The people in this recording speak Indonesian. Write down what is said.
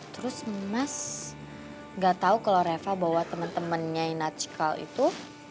terus mas gak tau kalo reva bawa temen temennya inacikal itu